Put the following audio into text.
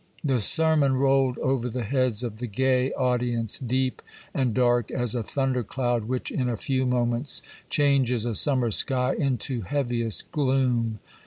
The sermon rolled over the heads of the gay audience deep and dark as a thunder cloud which in a few moments changes a summer sky into heaviest gloom.